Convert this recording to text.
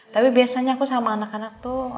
tapi biasanya aku sama anak anak tuh